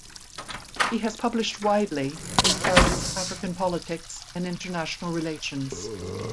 He has published widely in the areas of African politics and international relations.